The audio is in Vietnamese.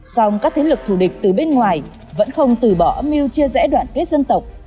song các thế lực thù địch từ bên ngoài vẫn không từ bỏ âm mưu chia rẽ đoàn kết dân tộc